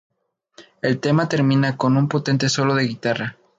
El tema termina con un potente solo de guitarra.